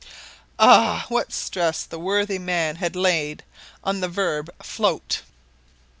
Ah! what stress the worthy man had laid on the verb "float!"